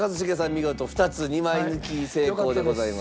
見事２つ２枚抜き成功でございます。